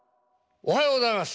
おはようございます。